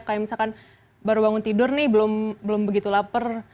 kayak misalkan baru bangun tidur nih belum begitu lapar